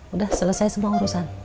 udah selesai semua urusan